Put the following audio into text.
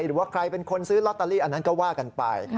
หรือว่าใครเป็นคนซื้อลอตเตอรี่อันนั้นก็ว่ากันไป